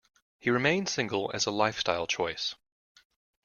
He remained single as a lifestyle choice.